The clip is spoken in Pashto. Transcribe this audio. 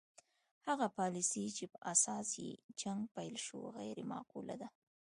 هغه پالیسي چې په اساس یې جنګ پیل شو غیر معقوله ده.